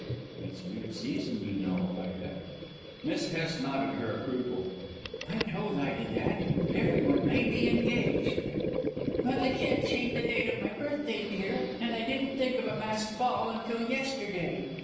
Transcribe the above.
"It's the mid season, you know, Ida." Miss Hest nodded her approval. "I told Ida that. Everyone may be engaged." "Well, I can't change the date of my birthday, dear, and I didn't think of a masked ball until yesterday.